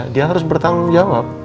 dia harus bertanggung jawab